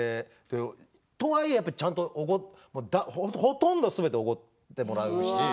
とはいえ、やっぱりちゃんとほとんどすべておごってもらうし。